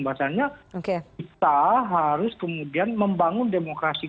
bahwasannya kita harus kemudian membangun demokrasi